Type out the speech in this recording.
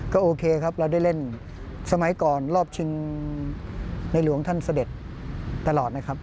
ก็โอเคครับเราได้เล่นสมัยก่อนรอบชิงในหลวงท่านเสด็จตลอดนะครับ